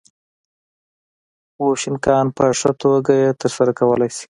بوشونګان په ښه توګه یې ترسره کولای شي